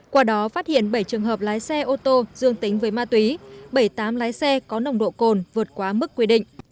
qua đó phát hiện bảy trường hợp lái xe ô tô dương tính với ma túy bảy tám lái xe có nồng độ cồn vượt quá mức quy định